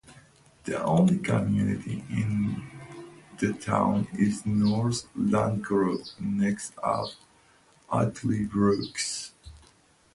The only community in the town is North Landgrove next to Utley Brook.